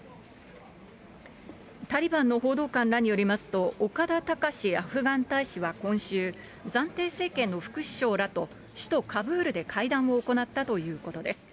タリバンの報道官らによりますと、岡田隆アフガン大使は今週、暫定政権の副首相らと首都カブールで会談を行ったということです。